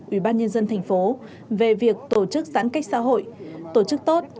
ủy ban nhân dân thành phố về việc tổ chức giãn cách xã hội tổ chức tốt